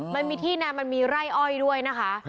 มันมีที่นานมันมีไร่อ้อยด้วยนะคะ